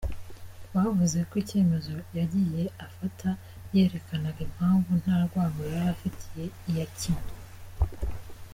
Rwavuze ko icyemezo yagiye afata yerekanaga impamvu, nta rwango yari afitiye iyacyimwe.